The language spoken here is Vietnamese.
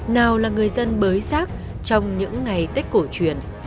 nào là người dân bới sát trong những ngày tết cổ chuyển